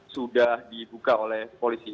sudah dibuka oleh polisi